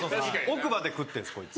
奥歯で食ってるんですこいつ。